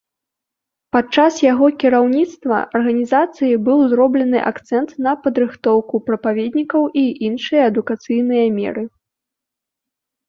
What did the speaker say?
Падчас яго кіраўніцтва арганізацыяй быў зроблены акцэнт на падрыхтоўку прапаведнікаў і іншыя адукацыйныя меры.